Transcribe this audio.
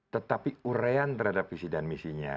tetapi urean terhadap visi dan misinya